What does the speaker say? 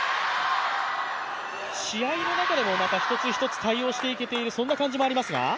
試合の中でも、また一つ一つ対応していけている、そんな感じもしますが。